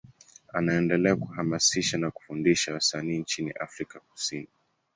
Anaendelea kuhamasisha na kufundisha wasanii nchini Afrika Kusini.